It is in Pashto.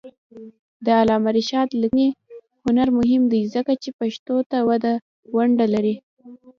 د علامه رشاد لیکنی هنر مهم دی ځکه چې پښتو ته ونډه لري.